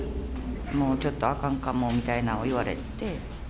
もうちょっとあかんかもみたいなの言われて。